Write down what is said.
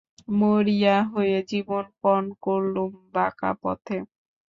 মরিয়া হয়ে জীবন পণ করলুম বাঁকা পথে।